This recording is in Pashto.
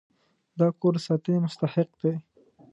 دا کور د ساتنې مستحق دی.